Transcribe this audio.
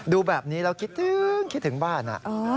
ดูแบบนี้แล้วคิดถึงคิดถึงบ้าน